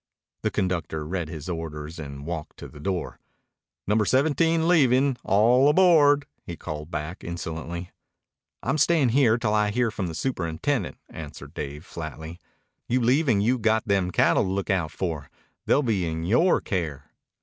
The conductor read his orders and walked to the door. "Number 17 leaving. All aboard," he called back insolently. "I'm stayin' here till I hear from the superintendent," answered Dave flatly. "You leave an' you've got them cattle to look out for. They'll be in yore care."